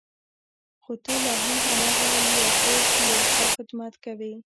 خو ته لا هم هماغه لیاخوف یې او خدمت کوې